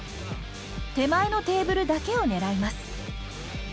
手前のテーブルだけを狙います。